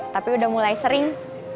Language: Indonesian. tapi udah mulai sering